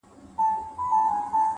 د زاړه کتاب پاڼې لږ ژیړې وي’